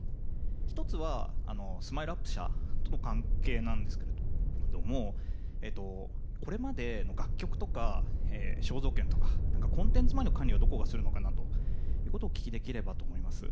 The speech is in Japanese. １つはＳＭＩＬＥ‐ＵＰ．社との関係なんですがこれまでの楽曲とか肖像権とかコンテンツ回りの管理をどこまでがするのかなということをお聞きできればと思います。